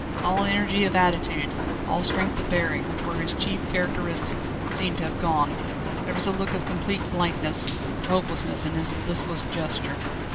All energy of attitude, all strength of bearing, which were his chief characteristics, seemed to have gone. There was a look of complete blankness, of hopelessness in his listless gesture.